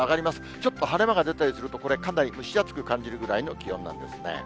ちょっと晴れ間が出てくるとこれ、かなり蒸し暑く感じるぐらいの気温なんですね。